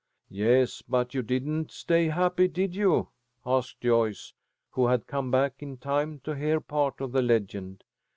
"Yes, but you didn't stay happy, did you?" asked Joyce, who had come back in time to hear part of the legend.